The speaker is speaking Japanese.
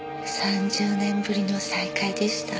３０年ぶりの再会でした。